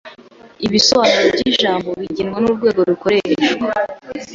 Ibisobanuro byijambo bigenwa nurwego rukoreshwa.